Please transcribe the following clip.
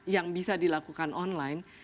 yang bisa dilakukan online